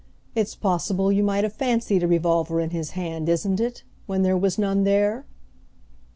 It's possible you might have fancied a revolver in his hand, isn't it, when there was none there?"